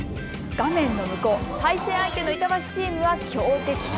画面の向こう、対戦相手の板橋チームは強敵。